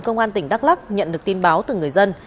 công an tỉnh đắk lắc nhận được tin báo từ người dân